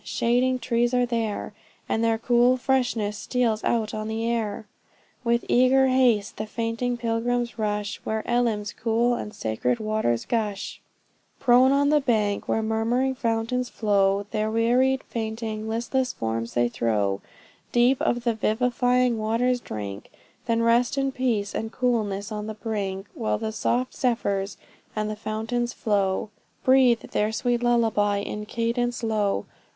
shading trees are there. And their cool freshness steals out on the air! With eager haste the fainting pilgrims rush, Where Elim's cool and sacred waters gush; Prone on the bank, where murmuring fountains flow, Their wearied, fainting, listless forms they throw, Deep of the vivifying waters drink, Then rest in peace and coolness on the brink, While the soft zephyrs, and the fountain's flow, Breathe their sweet lullaby in cadence low.